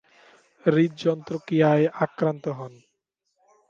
হৃদযন্ত্রক্রীয়ায় আক্রান্ত হন।